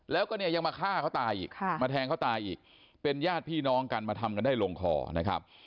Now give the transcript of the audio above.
แล้วก็เนี่ยยังมาฆ่าเขาตายอีกมาแทงเขาตายอีกเป็นญาติพี่น้องกันมาทำกันได้ลงคอนะครับ